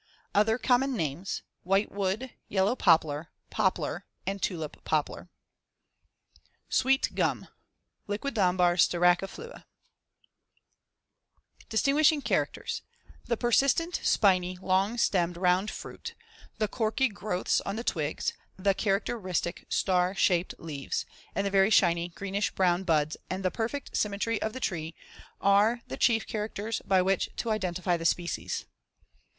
Other common names: Whitewood; yellow poplar; poplar and tulip poplar. SWEET GUM (Liquidambar styraciflua) [Illustration: FIG. 75. Leaf and Flower of the Tulip Tree.] Distinguishing characters: The persistent, spiny, long stemmed round *fruit*; the corky growths on the *twigs*, the characteristic star shaped *leaves* (Fig. 76) and the very shiny greenish brown buds and the perfect symmetry of the tree are the chief characters by which to identify the species.